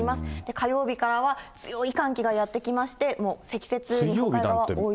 火曜日からは、強い寒気がやって来まして、もう積雪、日本海側は大雪。